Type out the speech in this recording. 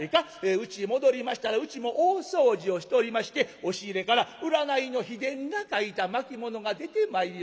『うちへ戻りましたらうちも大掃除をしておりまして押し入れから占いの秘伝が書いた巻物が出てまいりました』。